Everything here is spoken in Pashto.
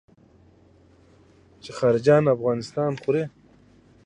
چې خارجيان افغانان ځوروي.